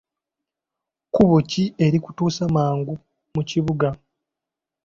Kkubo ki erikutuusa amangu mu kibuga?